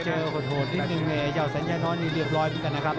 โหดนิดนึงเนี่ยเจ้าสัญญาน้อยนี่เรียบร้อยเหมือนกันนะครับ